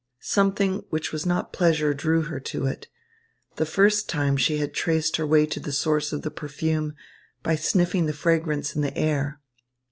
Something which was not pleasure drew her to it. The first time she had traced her way to the source of the perfume by sniffing fragrance in the air.